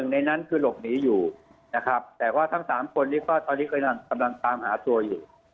ในนั้นคือหลบหนีอยู่นะครับแต่ว่าทั้ง๓คนนี้ก็ตอนนี้กำลังตามหาตัวอยู่